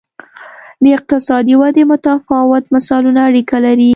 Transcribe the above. د اقتصادي ودې متفاوت مثالونه اړیکه لري.